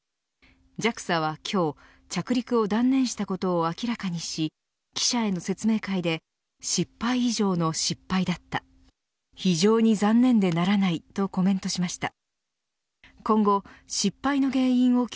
ＪＡＸＡは今日着陸を断念したことを明らかにし記者への説明会で失敗以上の失敗だった非常に残念でならないとコメントしました。